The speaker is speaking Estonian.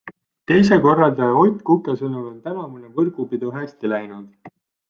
Teise korraldaja Ott Kuke sõnul on tänavune võrgupidu hästi läinud.